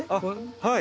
はい。